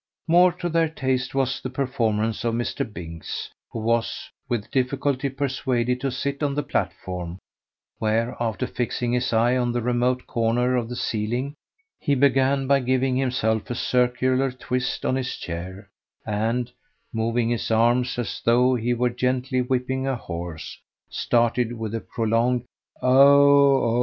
More to their taste was the performance of Mr. Binks, who was with difficulty persuaded to sit on the platform, where, after fixing his eye on the remotest corner of the ceiling, he began by giving himself a circular twist on his chair and, moving his arm as though he were gently whipping a horse, started with a prolonged "Oh o o!"